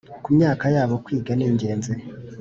ku myaka yabo kwiga ni ingenzi